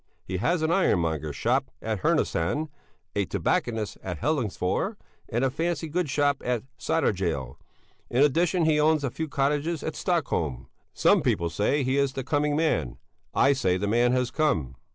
He has an ironmongers shop at Hernösand, a tobacconists at Helsingförs, and a fancy goods shop at Södertelje; in addition he owns a few cottages at Stockholm, S. People say he is the coming man; I say the man has come.